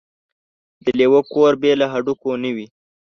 ـ د لېوه کور بې له هډوکو نه وي.